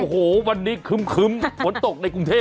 โอ้โหวันนี้คึ้มฝนตกในกรุงเทพ